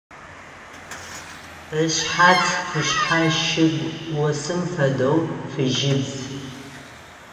Ышъхьац къушъхьэ шыгу осым фэдэу фыжьыбз.